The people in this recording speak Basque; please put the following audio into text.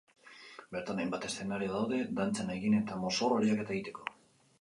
Bertan hainbat eszenario daude, dantzan egin eta mozorro lehiaketa egiteko.